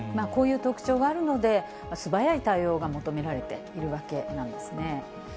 こういう特徴があるので、素早い対応が求められているわけなんですね。